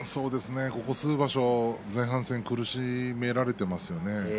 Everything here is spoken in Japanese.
ここ数場所前半戦、苦しめられていますよね。